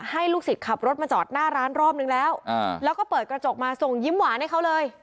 ลูกศิษย์ขับรถมาจอดหน้าร้านรอบนึงแล้วแล้วก็เปิดกระจกมาส่งยิ้มหวานให้เขาเลย